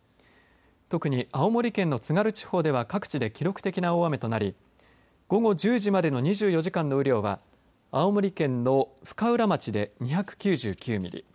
特に青森県の津軽地方では各地で記録的な大雨となり午後１０時までの２４時間の雨量は青森県の深浦町で２９９ミリ。